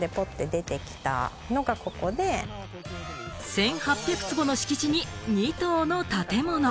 １８００坪の敷地に２棟の建物。